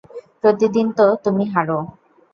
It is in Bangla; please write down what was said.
প্রতিদিন তো তুমি হারো।